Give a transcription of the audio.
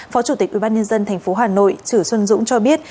phó chủ tịch ubnd tp hà nội chử xuân dũng cho biết